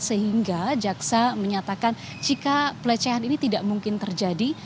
sehingga jaksa menyatakan jika pelecehan ini tidak mungkin terjadi